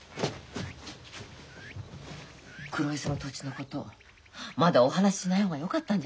黒磯の土地のことまだお話ししない方がよかったんじゃありません？